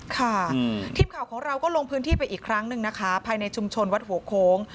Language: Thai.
ค่ะทีมข่าวของเราก็ลงพื้นที่ไปอีกครั้งหนึ่งนะคะภายในชุมชนวัดหัวโค้ง